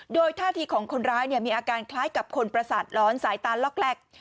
โดยท่าทีของคนร้ายมีอาการคล้ายกับคนประสาทร้อนสายตาล็อกแลก